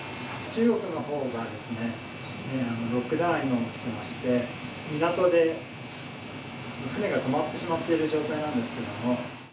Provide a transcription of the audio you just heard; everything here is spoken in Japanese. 中国のほうがロックダウンをしていまして、港で船が止まってしまっている状態なんですけども。